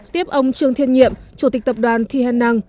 tiếp ông trương thiên nhiệm chủ tịch tập đoàn thi hèn năng